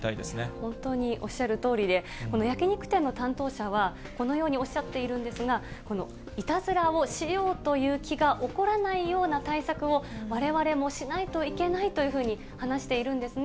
本当に、おっしゃるとおりで、この焼き肉店の担当者は、このようにおっしゃっているんですが、このいたずらをしようという気が起こらないような対策を、われわれもしないといけないというふうに話しているんですね。